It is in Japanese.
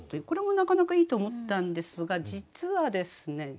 これもなかなかいいと思ったんですが実はですね